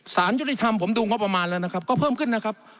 ยุติธรรมผมดูงบประมาณแล้วนะครับก็เพิ่มขึ้นนะครับ